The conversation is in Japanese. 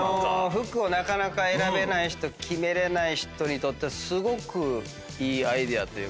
服をなかなか選べない人決められない人にとってすごくいいアイデアというか。